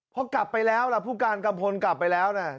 พอกลับไปแล้วล่ะผู้การกัมพลกลับไปแล้วนะ